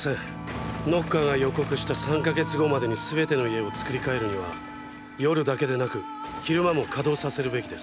ノッカーが予告した３か月後までに全ての家を作り替えるには夜だけでなく昼間も稼働させるべきです。